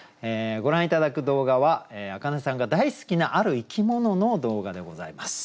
ご覧頂く動画は明音さんが大好きなある生き物の動画でございます。